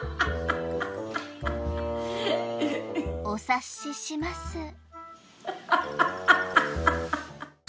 お察しします。